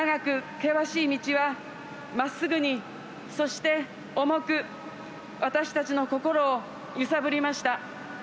険しい道はまっすぐに、そして重く私たちの心を揺さぶりました。